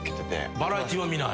バラエティーは見ない？